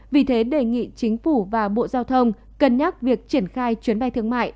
vì thế đề nghị chính phủ và bộ giao thông cân nhắc việc triển khai chuyến bay thương mại